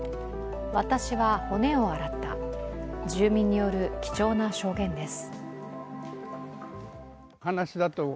私は骨を洗った、住民による貴重な証言です。